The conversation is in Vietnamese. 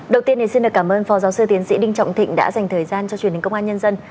đầu tiên thì xin được cảm ơn phó giáo sư tiến sĩ đinh trọng thịnh đã dành thời gian cho truyền hình công an nhân dân